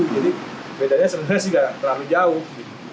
jadi bedanya sebenarnya tidak terlalu jauh